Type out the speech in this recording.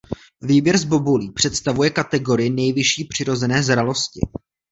Výběr z bobulí představuje kategorii nejvyšší přirozené zralosti.